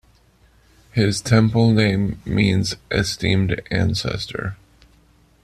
His temple name means "Esteemed Ancestor".